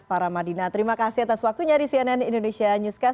para madinah terima kasih atas waktunya di cnn indonesia newscast